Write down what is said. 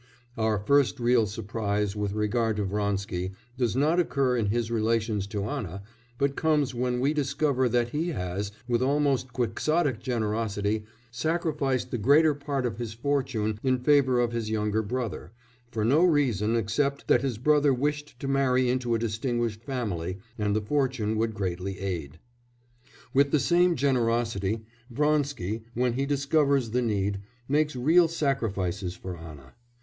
Our first real surprise with regard to Vronsky does not occur in his relations to Anna, but comes when we discover that he has, with almost quixotic generosity, sacrificed the greater part of his fortune in favour of his younger brother, for no reason except that his brother wished to marry into a distinguished family, and the fortune would greatly aid. With the same generosity, Vronsky, when he discovers the need, makes real sacrifices for Anna.